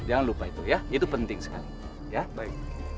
jangan lupa itu ya itu penting sekali